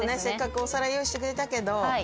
せっかくお皿用意してくれたけど。